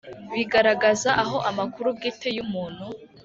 bigaragaza aho amakuru bwite y umuntu